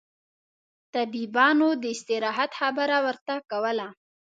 طبيبانو داستراحت خبره ورته کوله.